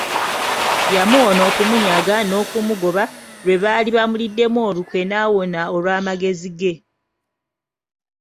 Yamuwona okumunyaga n'okumugoba lwe baali bamuliddemu olukwe n'awona olw'amagezi ge.